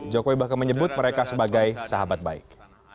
jokowi bahkan menyebut mereka sebagai sahabat baik